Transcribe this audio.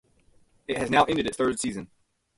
It has now ended its third season.